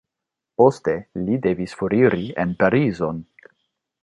Poste li devis foriri en Parizon.